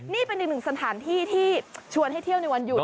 นี่เป็นอีกหนึ่งสถานที่ที่ชวนให้เที่ยวในวันหยุด